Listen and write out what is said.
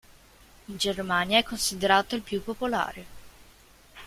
In Germania è considerato il più popolare.